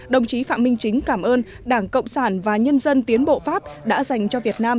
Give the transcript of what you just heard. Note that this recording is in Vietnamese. đồng chí phạm minh chính cảm ơn đảng cộng sản và nhân dân tiến bộ pháp đã dành cho việt nam